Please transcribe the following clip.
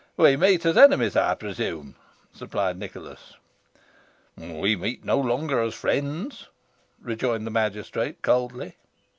"We meet as enemies, I presume" supplied Nicholas. "We meet no longer as friends," rejoined the magistrate, coldly.